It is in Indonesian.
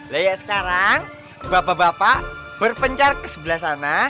lihat sekarang bapak bapak berpencar ke sebelah sana